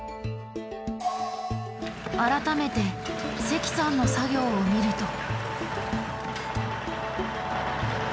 改めて関さんの作業を見ると。